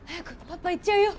パパ行っちゃうよ。